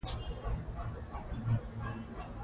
پرېکړې باید د حق پر بنسټ وي